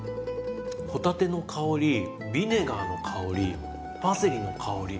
帆立ての香りビネガーの香りパセリの香り